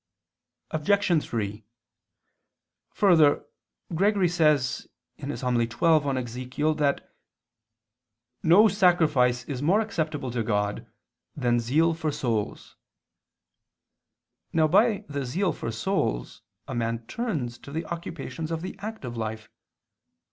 Obj. 3: Further, Gregory says (Hom. xii in Ezech.) that "no sacrifice is more acceptable to God than zeal for souls." Now by the zeal for souls a man turns to the occupations of the active life.